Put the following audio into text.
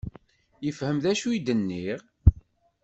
Yefhem d acu i d-nniɣ?